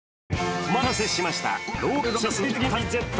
お待たせしました。